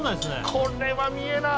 これは見えない。